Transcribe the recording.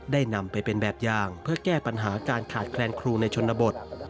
นำไปเป็นแบบอย่างเพื่อแก้ปัญหาการขาดแคลนครูในชนบท